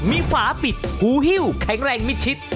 มีฝาปิดหูหิ้วแข็งแรงมิดชิด